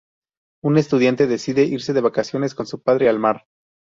Un estudiante decide irse de vacaciones con su padre al mar.